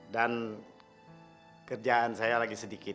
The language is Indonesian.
dan kerjaan saya lagi sedikit